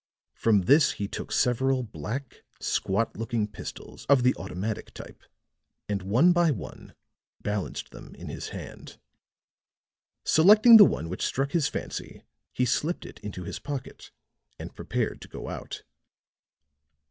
From this he took several black, squat looking pistols of the automatic type, and one by one balanced them in his hand. Selecting the one which struck his fancy, he slipped it into his pocket and prepared to go out.